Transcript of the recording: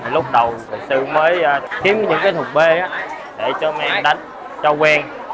lúc đầu tôi mới kiếm những cái thục bê để cho mẹ đánh cho quen